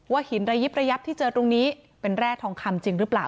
หินระยิบระยับที่เจอตรงนี้เป็นแร่ทองคำจริงหรือเปล่า